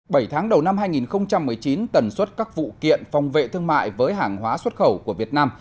bảy tháng đầu năm hai nghìn một mươi chín tần suất các vụ kiện phòng vệ thương mại với hàng hóa xuất khẩu của việt nam